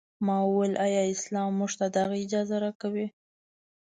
ما وویل ایا اسلام موږ ته دغه اجازه راکوي.